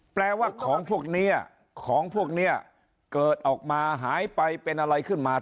แปลว่าของพวกเนี่ยเกิดออกมาหายไปเป็นอะไรขึ้นมา